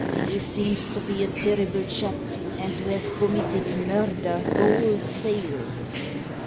"He seems to be a terrible chap, and to have committed murder wholesale."